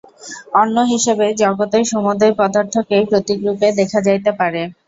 অন্য হিসাবে জগতের সমুদয় পদার্থকেই প্রতীকরূপে দেখা যাইতে পারে।